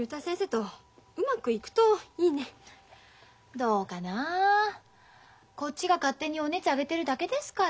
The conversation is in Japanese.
どうかなこっちが勝手にお熱上げてるだけですから。